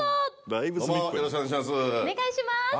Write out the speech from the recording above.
お願いします。